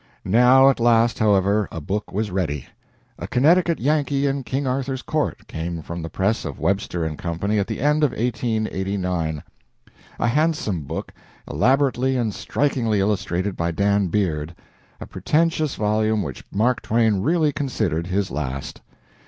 Now, at last, however, a book was ready. "A Connecticut Yankee in King Arthur's Court" came from the press of Webster & Co. at the end of 1889, a handsome book, elaborately and strikingly illustrated by Dan Beard a pretentious volume which Mark Twain really considered his last.